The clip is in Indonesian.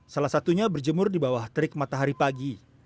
salah satunya berjemur di bawah terik matahari pagi